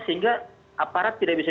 sehingga aparat tidak bisa